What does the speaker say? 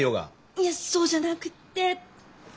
いえそうじゃなくって。